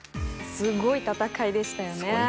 すごい戦いでしたよね。